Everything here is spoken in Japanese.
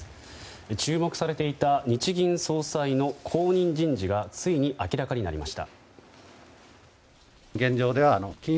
注目されていた日銀総裁の後任人事がついに明らかになりました。